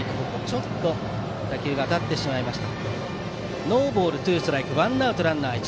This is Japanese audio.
ちょっと打球が当たってしまいました。